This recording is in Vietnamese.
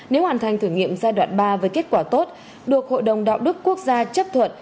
nếu hoàn thành thử nghiệm giai đoạn ba với kết quả tốt được hội đồng đạo đức quốc gia chấp thuận